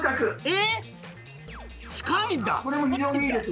え！